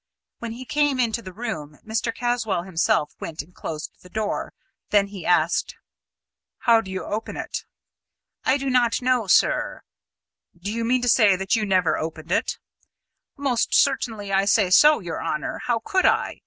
When he came into the room, Mr. Caswall himself went and closed the door; then he asked: "How do you open it?" "I do not know, sir." "Do you mean to say that you never opened it?" "Most certainly I say so, your honour. How could I?